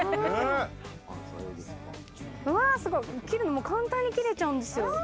切るのも簡単に切れちゃうんですよ。